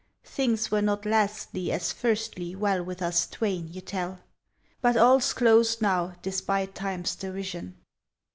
Things were not lastly as firstly well With us twain, you tell? But all's closed now, despite Time's derision.